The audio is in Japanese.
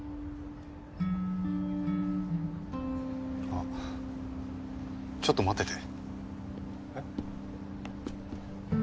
あっちょっと待ってて。